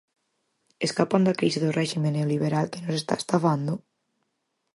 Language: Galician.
Escapan da crise do réxime neoliberal que nos está estafando?